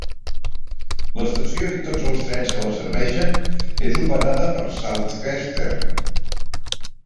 L'estació, i tots els trens que la serveixen, és operada per Southeastern.